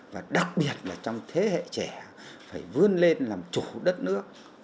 và đặc biệt là trong thế hệ trẻ phải vươn lên làm chủ đất nước